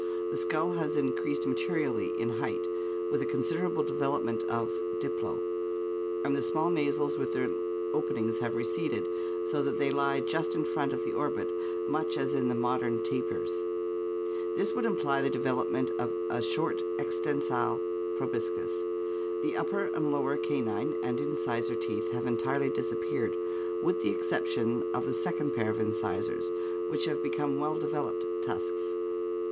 The skull has in creased materially in height, with a considerable development of diploe, and the small nasals with their openings have receded so Fig 594 ORGANIC EVOLUTION that they lie just in front of the orbit much as in the modern tapirs. This would imply the development of a short extensile proboscis. The up per and lower ca nine and incisor teeth have entirely disappeared, with the exception of the second pair of incisors, which have become well developed tusks.